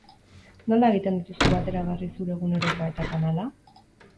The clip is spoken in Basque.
Nola egiten dituzu bateragarri zure egunerokoa eta kanala?